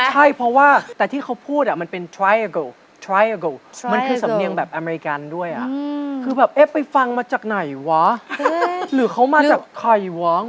ใครวะงงไปหมดแล้วเนี่ย